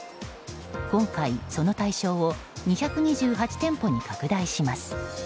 今回、その対象を２２８店舗に拡大します。